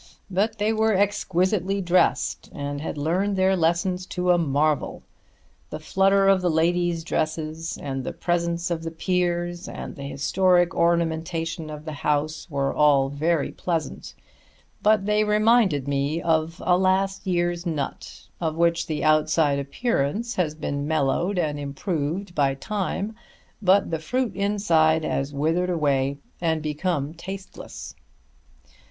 But they were exquisitely dressed and had learned their lessons to a marvel. The flutter of the ladies' dresses, and the presence of the peers, and the historic ornamentation of the house were all very pleasant; but they reminded me of a last year's nut, of which the outside appearance has been mellowed and improved by time, but the fruit inside has withered away and become tasteless.